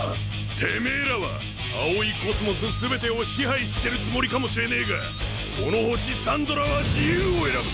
てめぇらは葵宇宙全てを支配してるつもりかもしれねえがこの星サンドラは自由を選ぶ！